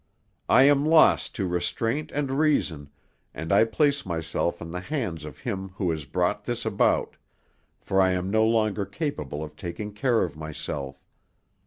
I am lost to restraint and reason, and I place myself in the hands of him who has brought this about, for I am no longer capable of taking care of myself.